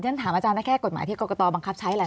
อย่างนั้นถามอาจารย์น่าแค่กฎหมายที่กรกตบังคับใช้แหละเนอะ